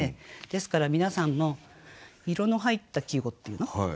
ですから皆さんも色の入った季語っていうの？